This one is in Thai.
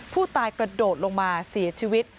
ผู้ตายกระโดดลงมาเสียชีวิต